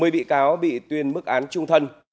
một mươi bị cáo bị tuyên mức án trung thân